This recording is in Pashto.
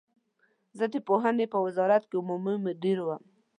زه د پوهنې په وزارت کې عمومي مدیر وم.